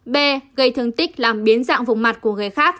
b gây thương tích làm biến dạng vùng mặt của người khác